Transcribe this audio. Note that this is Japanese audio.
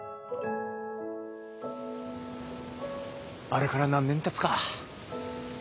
あれから何年たつか？